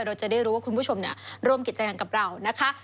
เราจะได้รู้ว่าคุณผู้ชมร่วมกิจกรรมกับเรานะคะ